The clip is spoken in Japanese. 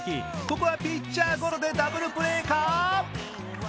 ここはピッチャーゴロでダブルプレーか？